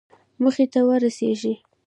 موخې ته ورسېږئ